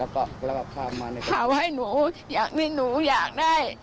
พาวให้หนูอย่างที่หนูอยากได้